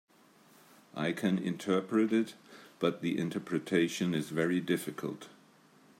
I can interpret it, but the interpretation is very difficult.